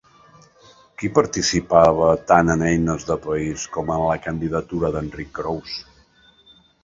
Qui participava tant en Eines de País com en la candidatura d'Enric Crous?